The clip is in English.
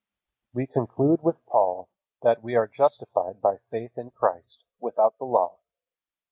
We conclude with Paul, that we are justified by faith in Christ, without the Law.